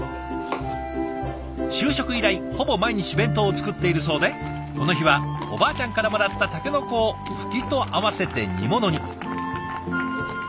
就職以来ほぼ毎日弁当を作っているそうでこの日はおばあちゃんからもらったタケノコをフキと合わせて煮物に。